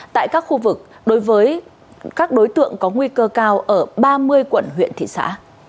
tại các khu vực đối với các đối tượng có nguy cơ cao ở ba mươi quận huyện thị xã